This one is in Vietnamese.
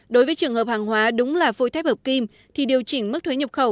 đối với trường hợp hàng hóa đúng là phôi thép hợp kim thì điều chỉnh mức thuế nhập khẩu